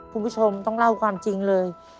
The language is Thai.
คุณผู้ชมต้องเล่าความจริงเลย